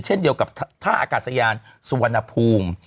เช่นเดียวกับท่าอากาศยานสุวรรณภูมิ